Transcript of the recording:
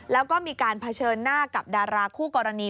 แล้วก็มีการเผชิญหน้ากับดาราคู่กรณี